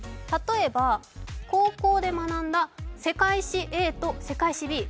例えば、高校で学んだ世界史Ａと世界史Ｂ